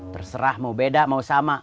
terserah mau beda mau sama